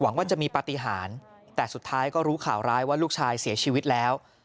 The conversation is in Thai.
ว่าจะมีปฏิหารแต่สุดท้ายก็รู้ข่าวร้ายว่าลูกชายเสียชีวิตแล้ว